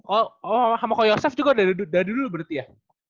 oh sama ko yosef juga dari dulu berarti ya